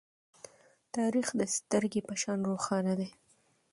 تاریخ د سترگې په شان روښانه ده.